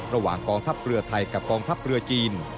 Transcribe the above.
ระหว่างกองทัพเรือไทยกับกองทัพเรือจีน